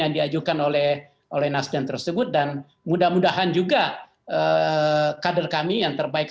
yang diajukan oleh oleh nasdem tersebut dan mudah mudahan juga kader kami yang terbaik